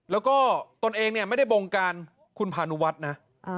แล้วก็ตนเองเนี่ยไม่ได้บงการคุณพานุวัฒน์นะ